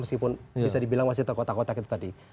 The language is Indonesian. meskipun bisa dibilang masih terkotak kotak itu tadi